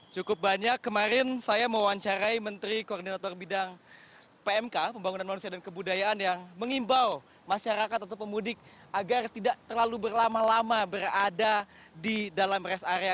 cukup banyak kemarin saya mewawancarai menteri koordinator bidang pmk pembangunan manusia dan kebudayaan yang mengimbau masyarakat atau pemudik agar tidak terlalu berlama lama berada di dalam rest area